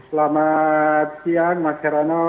selamat siang mas herano